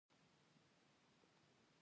جواهرات د افغانانو د معیشت سرچینه ده.